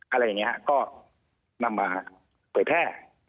อะไรอย่างนี้ฮะก็นำมาเผยแพร่